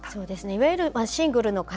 いわゆるシングルの方